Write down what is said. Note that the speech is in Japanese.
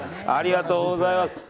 ありがとうございます。